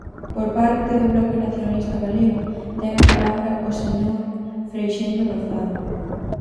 Por parte do Bloque Nacionalista Galego ten a palabra o señor Freixendo Rozado.